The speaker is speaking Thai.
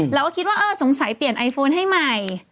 เราก็คิดว่าเออสงสัยเปลี่ยนไอโฟนให้ใหม่